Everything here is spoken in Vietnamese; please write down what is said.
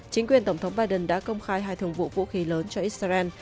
chính quyền tổng thống biden đã công khai hai thường vụ vũ khí lớn cho israel